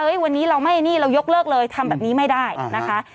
วันนี้เราไม่นี่เรายกเลิกเลยทำแบบนี้ไม่ได้นะคะ